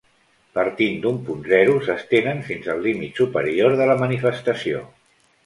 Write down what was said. Partint d'un punt zero s'estenen fins al límit superior de la manifestació.